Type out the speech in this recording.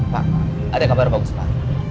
pak ada kabar bagus pak